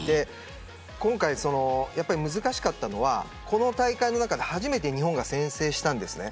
今回、難しかったのはこの大会の中で初めて日本が先制したんです。